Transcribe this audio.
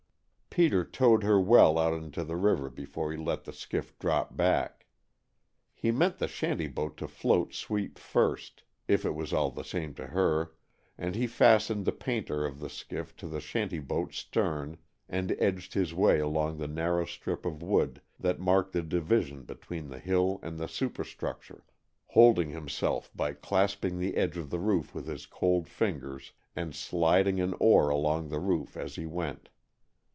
Peter towed her well out into the river before he let the skiff drop back. He meant the shanty boat to float sweep first it was all the same to her and he fastened the painter of the skiff to the shanty boat's stern, and edged his way along the narrow strip of wood that marked the division between the hull and the superstructure, holding himself by clasping the edge of the roof with his cold fingers, and sliding an oar along the roof as he went.